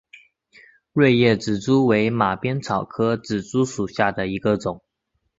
锐叶紫珠为马鞭草科紫珠属下的一个种。